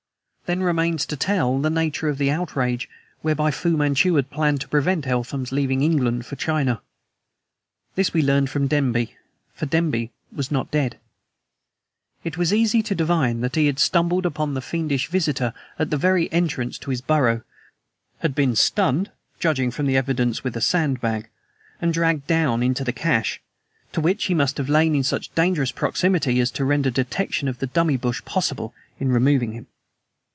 Then remains to tell the nature of the outrage whereby Fu Manchu had planned to prevent Eltham's leaving England for China. This we learned from Denby. For Denby was not dead. It was easy to divine that he had stumbled upon the fiendish visitor at the very entrance to his burrow; had been stunned (judging from the evidence, with a sand bag), and dragged down into the cache to which he must have lain in such dangerous proximity as to render detection of the dummy bush possible in removing him.